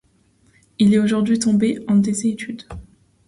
Il est aujourd'hui tombé en désuétude.